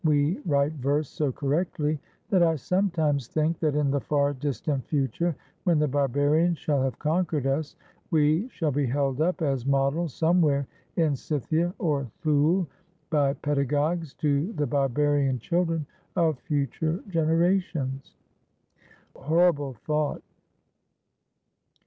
We write verse so correctly that I sometimes think that in the far distant future, when the barbarians shall have conquered us, we shall be held up as models somewhere in Scythia or Thule by pedagogues to the barbarian children of future generations! Hor rible thought!